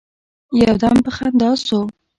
يو دم په خندا سو.